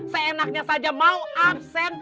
seenaknya saja mau absen